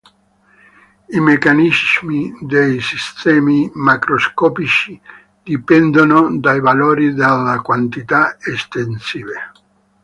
I meccanismi dei sistemi macroscopici dipendono dai valori delle quantità estensive.